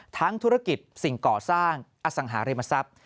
ธุรกิจสิ่งก่อสร้างอสังหาริมทรัพย์